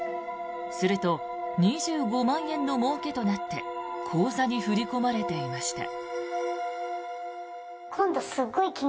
すると２５万円のもうけとなって口座に振り込まれていました。